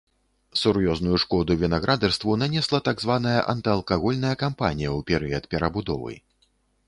Сур'ёзную шкоду вінаградарству нанесла так званая антыалкагольная кампанія ў перыяд перабудовы.